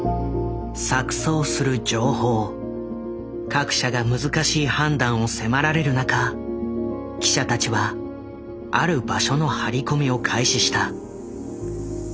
各社が難しい判断を迫られる中記者たちはある場所の張り込みを開始した。